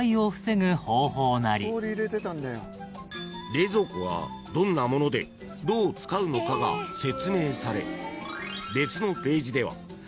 ［冷蔵庫はどんなものでどう使うのかが説明され別のページでは］